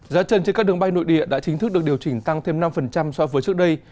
giá trần trên các đường bay nội địa đã chính thức được điều chỉnh tăng thêm năm so với trước đây